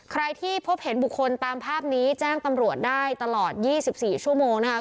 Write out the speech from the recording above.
ใครที่พบเห็นบุคคลตามภาพนี้แจ้งตำรวจได้ตลอด๒๔ชั่วโมงนะคะ